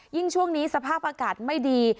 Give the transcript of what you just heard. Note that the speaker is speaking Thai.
ช่วงนี้สภาพอากาศไม่ดี